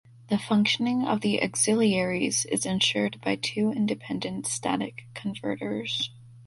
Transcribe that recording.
The functioning of the auxiliaries is ensured by two independent static converters.